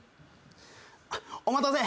お待たせ。